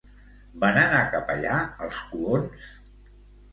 Van anar cap allà els colons?